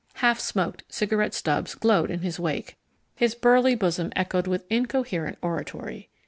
Half smoked cigarette stubs glowed in his wake; his burly bosom echoed with incoherent oratory.